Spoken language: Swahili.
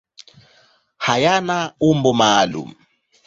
Hayana umbo maalum.